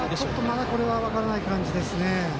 まだ分からない感じですね。